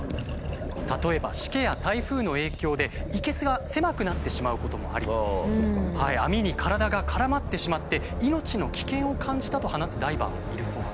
例えばしけや台風の影響でいけすが狭くなってしまうこともあり網に体が絡まってしまって命の危険を感じたと話すダイバーもいるそうなんです。